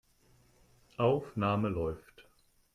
Aufnahme läuft.